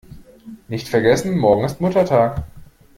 Nicht vergessen: Morgen ist Muttertag!